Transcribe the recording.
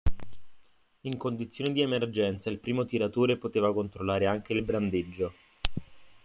In condizioni di emergenza il primo tiratore poteva controllare anche il brandeggio.